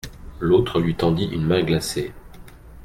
L'autre lui tendit une main glacée.